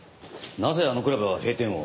なぜあのクラブは閉店を？